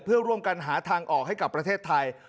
เพื่อร่วมกันหาทางออกให้กับประเทศไทย